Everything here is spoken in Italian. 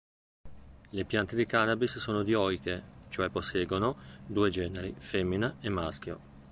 Le piante di cannabis sono dioiche, cioè posseggono due generi: femmina e maschio.